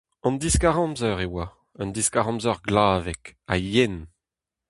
An diskar-amzer e oa, un diskar-amzer glavek ha yen.